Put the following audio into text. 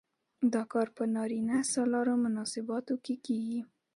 دا کار په نارینه سالارو مناسباتو کې کیږي.